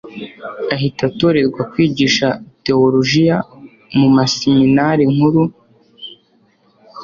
ahita atorerwa kwigisha teolojiya mu seminari nkuru hamwe n'abapadiri bera